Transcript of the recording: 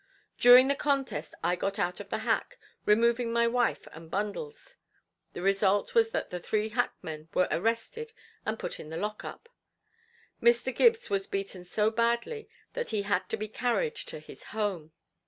During the contest I got out of the hack, removing my wife and bundles. The result was that the three hackmen were arrested and put in the lockup. Mr. Gibbs was beaten so badly that he had to be carried to his home.